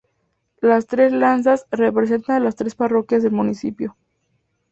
Las tres lanzas representan las tres parroquias del municipio.